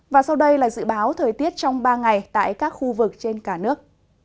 và sau đây là dự báo thời tiết trong ba ngày tại các khu vực trên cả nước